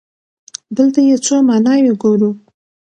دلته يې څو ماناوې ګورو.